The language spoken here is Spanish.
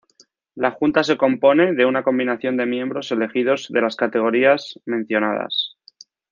La junta se compone de una combinación de miembros elegidos de las categorías mencionadas.